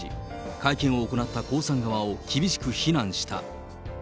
会見を行った江さん側を厳しく非難した。